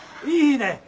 いいね。